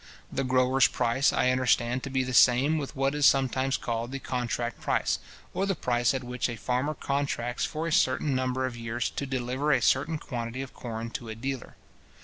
The grower's price I understand to be the same with what is sometimes called the contract price, or the price at which a farmer contracts for a certain number of years to deliver a certain quantity of corn to a dealer.